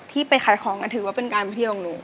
ที่ไปขายของก็ถือการมาเที่ยวของหนู